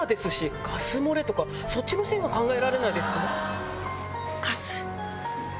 そっちの線は考えられないですか？